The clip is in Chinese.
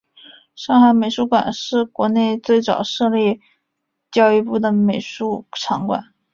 上海美术馆是国内最早设立教育部的美术场馆。